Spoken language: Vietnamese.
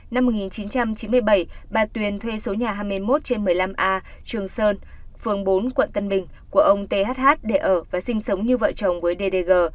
năm một nghìn chín trăm chín mươi bảy bà tuyền thuê số nhà hai mươi một trên một mươi năm a trường sơn phường bốn quận tân bình của ông th để ở và sinh sống như vợ chồng với ddg